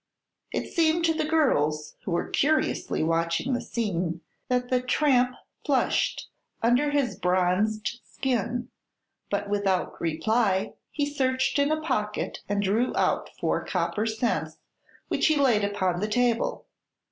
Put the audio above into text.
It seemed to the girls, who were curiously watching the scene, that the tramp flushed under his bronzed skin; but without reply he searched in a pocket and drew out four copper cents, which he laid upon the table.